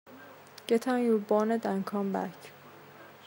Get on your bonnet and come back.